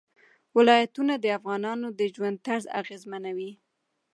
ولایتونه د افغانانو د ژوند طرز اغېزمنوي.